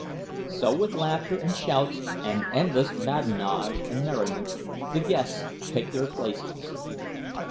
So, with laughter and shouts and endless badinage and merriment, the guests take their places.